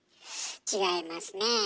違いますねえ。